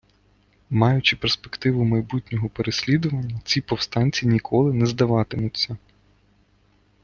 Маючи перспективу майбутнього переслідування, ці повстанці ніколи не здаватимуться.